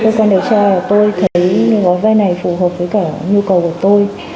trong cơ quan điều tra tôi thấy những gói vay này phù hợp với cả nhu cầu của tôi